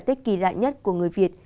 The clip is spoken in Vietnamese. tết kỳ lạ nhất của người việt